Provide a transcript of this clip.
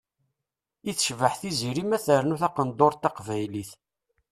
I tecbeḥ Tiziri ma ternu taqendurt taqbaylit.